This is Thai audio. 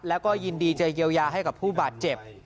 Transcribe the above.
แล้วก็ยินดีจะเยียวยาให้กับผู้บาดเจ็บ